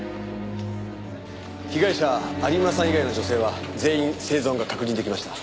被害者有村さん以外の女性は全員生存が確認出来ました。